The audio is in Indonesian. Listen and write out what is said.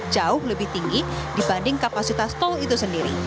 jauh lebih tinggi dibanding kapasitas tol itu sendiri